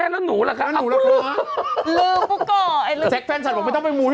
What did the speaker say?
เอองุ่งไปหมด